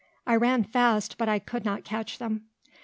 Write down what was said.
I ran fast, but I could not catch them."